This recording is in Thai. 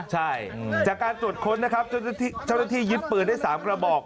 ใช่จากการตรวจค้นนะครับเจ้าหน้าที่ยึดปืนได้๓กระบอก